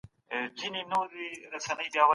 افغان استادان د کار کولو مساوي حق نه لري.